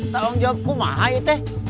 tanggung jawab kok mahal ya teh